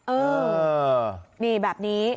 เออนี่แบบนี้